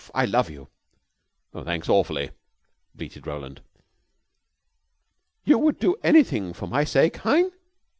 I love you." "Thanks awfully," bleated Roland. "You would do anything for my sake, hein?